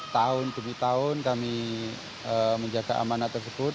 tahun demi tahun kami menjaga amanah tersebut